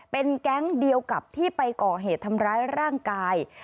เป็นแก๊งเดียวกับที่ไปก่อเหตุทำร้ายร่างกาย